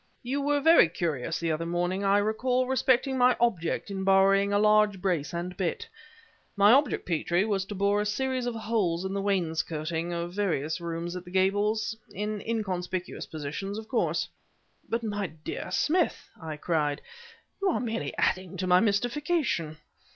"You were very curious the other morning, I recall, respecting my object in borrowing a large brace and bit. My object, Petrie, was to bore a series of holes in the wainscoating of various rooms at the Gables in inconspicuous positions, of course..." "But, my dear Smith!" I cried, "you are merely adding to my mystification."